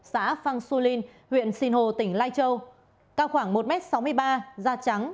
xã phang su linh huyện sinh hồ tỉnh lai châu cao khoảng một m sáu mươi ba da trắng